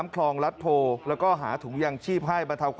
ครับผิดทั้งหมดเลย